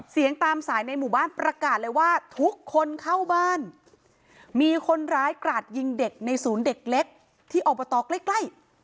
ตามสายในหมู่บ้านประกาศเลยว่าทุกคนเข้าบ้านมีคนร้ายกราดยิงเด็กในศูนย์เด็กเล็กที่อบตใกล้ใกล้